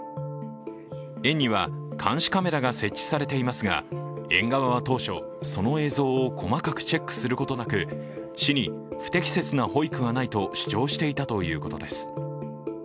園には、監視カメラが設置されていますが、園側は当初その映像を細かくチェックすることなく市に不適切な保育はないと主張していたということです。